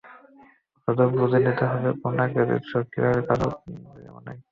শুধু বুঝে নিতে হবে কোন আকৃতির চোখে কীভাবে কাজল দিলে মানায়।